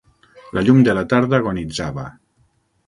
La llum de la tarda agonitzava.